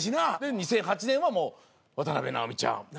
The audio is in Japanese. ２００８年はもう渡辺直美ちゃん。